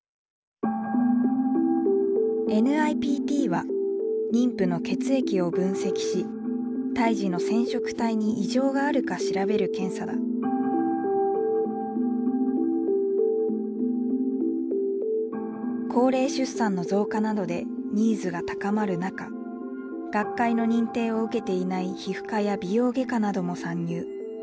ＮＩＰＴは妊婦の血液を分析し高齢出産の増加などでニーズが高まる中学会の認定を受けていない皮膚科や美容外科なども参入。